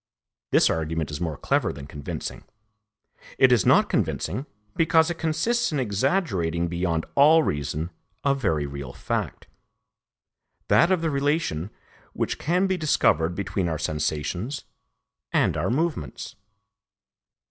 This argument is more clever than convincing. It is not convincing, because it consists in exaggerating beyond all reason a very real fact, that of the relation which can be discovered between our sensations and our movements.